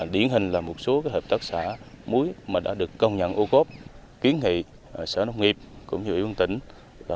điển hình là một số hợp tác xã muối mà đã được công nhận ô cốt kiến nghị sở nông nghiệp cũng như ủy quân tỉnh